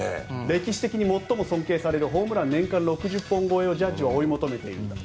歴史的に最も尊敬されるホームラン年間６０本超えをジャッジは追い求めていたと。